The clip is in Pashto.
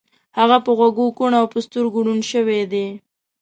هغه په غوږو کوڼ او په سترګو ړوند شوی دی